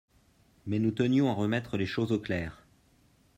mais nous tenions à remettre les choses au clair.